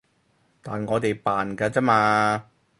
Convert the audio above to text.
但我哋扮㗎咋嘛